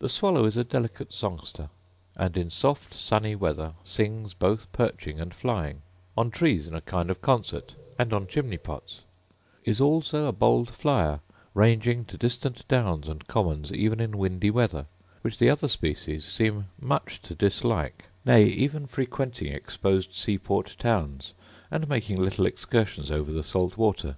The swallow is a delicate songster, and in soft sunny weather sings both perching and flying; on trees in a kind of concert, and on chimney tops: is also a bold flyer, ranging to distant downs and commons even in windy weather, which the other species seem much to dislike; nay, even frequenting exposed sea port towns, and making little excursions over the salt water.